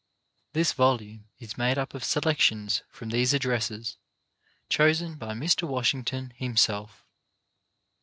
This volume is made up of selections from these addresses chosen by Mr. Washington himself.